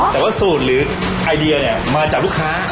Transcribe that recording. แต่ว่าสูตรหรือไอเดียเนี่ยมาจากลูกค้า